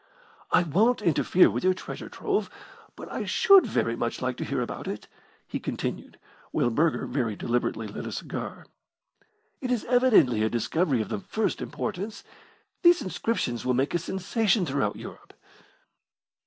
"I won't interfere with your treasure trove, but I should very much like to hear about it," he continued, while Burger very deliberately lit a cigar. "It is evidently a discovery of the first importance. These inscriptions will make a sensation throughout Europe."